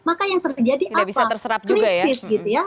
maka yang terjadi apa krisis gitu ya